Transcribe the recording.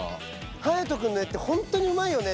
「はやとくんの絵ってほんとにうまいよね」